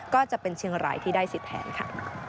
ก็จะเป็นเชียงรายที่ได้สิทธิ์แทนค่ะ